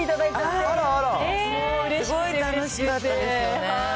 すごい楽しかったですよね。